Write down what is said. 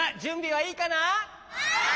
はい！